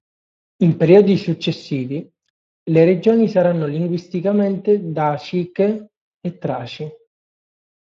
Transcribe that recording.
In periodi successivi, le regioni saranno linguisticamente daciche e traci.